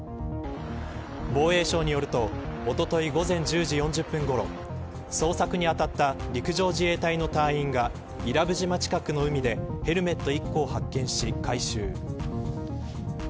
防衛省によるとおととい午前１０時４０分ごろ捜索に当たった陸上自衛隊の隊員が伊良部島近くの海でヘルメット１個を発見し回収。